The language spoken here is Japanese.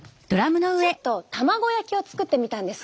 ちょっと卵焼きを作ってみたんです。